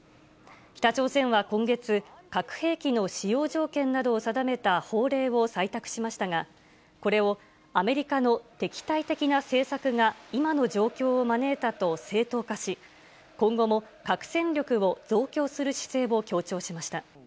北朝鮮は今月、核兵器の使用条件などを定めた法令を採択しましたが、これをアメリカの敵対的な政策が今の状況を招いたと正当化し、今後も核戦力を増強する姿勢を強調しました。